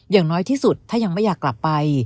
อย่างน้อยที่สุดถ้ายังไม่อยากกลับไป